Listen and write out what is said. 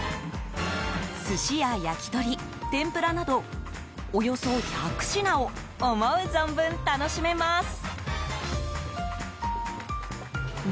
寿司や焼き鳥、天ぷらなどおよそ１００品を思う存分、楽しめます。